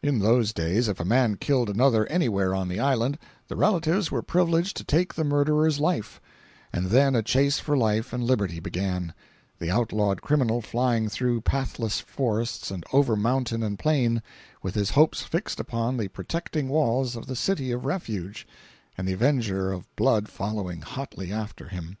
In those days, if a man killed another anywhere on the island the relatives were privileged to take the murderer's life; and then a chase for life and liberty began—the outlawed criminal flying through pathless forests and over mountain and plain, with his hopes fixed upon the protecting walls of the City of Refuge, and the avenger of blood following hotly after him!